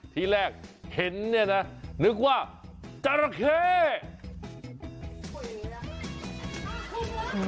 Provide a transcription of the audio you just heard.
ทีแรกเห็นเนี่ยนึกว่าจาระเผค